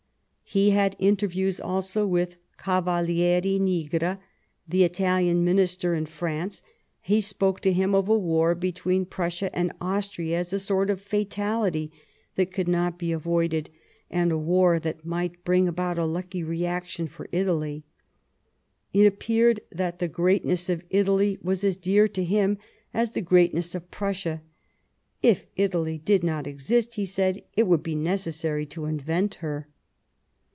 He had interviews also with the Cavaliere Nigra, the Italian Minister in France ; he spoke to him of a war between Prussia and Austria as a sort of fatality that could not be avoided, and a war that might bring about a lucky reaction for Italy. It appeared that the greatness of Italy was as dear to him as the greatness of Prussia. " If Italy did not exist," he said, " it would be necessary to invent her."